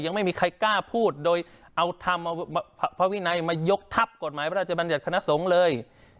ยังไม่มีใครกล้าพูดโดยเอาธรรมพระวินัยมายกทัพกฎหมายพระราชบัญญัติคณะสงฆ์เลย